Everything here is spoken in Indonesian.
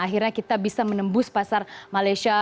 akhirnya kita bisa menembus pasar malaysia